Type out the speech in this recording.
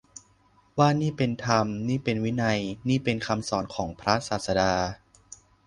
ว่า นี้เป็นธรรม นี้เป็นวินัย นี้เป็นคำสอนของพระศาสดา